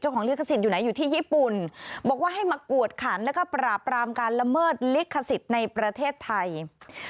ของลิขสิทธิ์อยู่ไหนอยู่ที่ญี่ปุ่นบอกว่าให้มากวดขันแล้วก็ปราบรามการละเมิดลิขสิทธิ์ในประเทศไทย